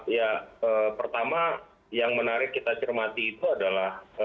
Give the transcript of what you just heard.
ya pertama yang menarik kita cermati itu adalah